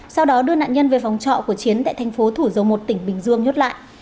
sau đó đưa nạn nhân về phòng trọ của chiến tại thành phố thủ dầu một tỉnh bình dương nhốt lại